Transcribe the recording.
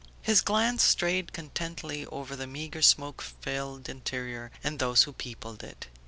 His glance strayed contentedly over the meager smoke filled interior and those who peopled it.